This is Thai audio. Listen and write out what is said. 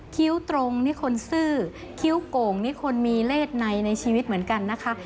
คิ้วตรงนี่คนซื่อคิ้วโก่งนี่คนมีเลขในในชีวิตเหมือนกันนะคะ